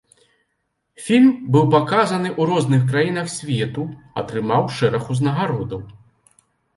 Фільм быў паказаны ў розных краінах свету, атрымаў шэраг узнагародаў.